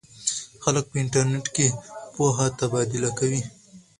خلک په انټرنیټ کې پوهه تبادله کوي.